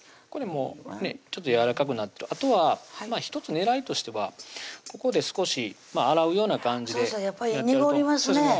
これもねちょっとやわらかくなってあとは１つ狙いとしてはここで少し洗うような感じでそうしたらやっぱり濁りますね